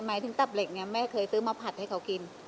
หมายถึงตับเหล็กเนี่ยแม่เคยซื้อมาผัดให้เขากิน